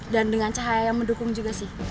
dan dengan cahaya yang mendukung juga sih tongkatnya